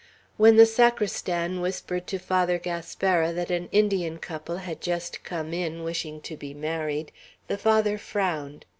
When the sacristan whispered to Father Gaspara that an Indian couple had just come in, wishing to be married, the Father frowned.